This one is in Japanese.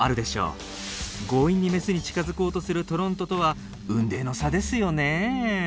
強引にメスに近づこうとするトロントとは雲泥の差ですよね。